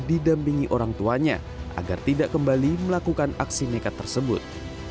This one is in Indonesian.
didampingi orang tuanya agar tidak kembali melakukan aksi nekat tersebut